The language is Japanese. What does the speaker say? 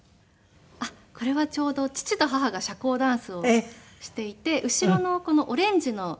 あっこれはちょうど父と母が社交ダンスをしていて後ろのこのオレンジの。